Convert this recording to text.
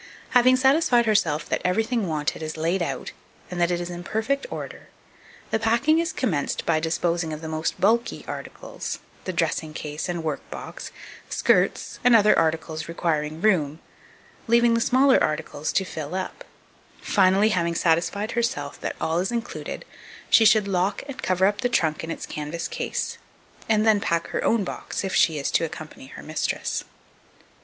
Having satisfied herself that everything wanted is laid out, and that it is in perfect order, the packing is commenced by disposing of the most bulky articles, the dressing case and work box, skirts, and other articles requiring room, leaving the smaller articles to fill up; finally, having satisfied herself that all is included, she should lock and cover up the trunk in its canvas case, and then pack her own box, if she is to accompany her mistress.